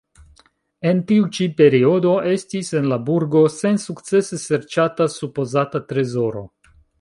En tiu ĉi periodo estis en la burgo sensukcese serĉata supozata trezoro.